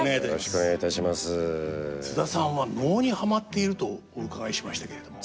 津田さんは能にはまっているとお伺いしましたけれども。